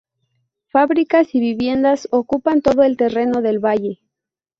Fábricas y viviendas ocupan todo el terreno del valle.